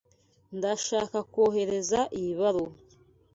Ndashaka kohereza iyi baruwa.